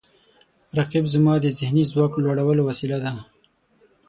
رقیب زما د ذهني ځواک د لوړولو وسیله ده